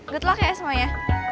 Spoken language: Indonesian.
good luck ya semuanya